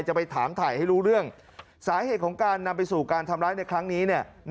จะไปถามถ่ายให้รู้เรื่องสาเหตุของการนำไปสู่การทำร้ายในครั้งนี้